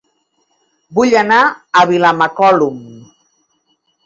Vull anar a Vilamacolum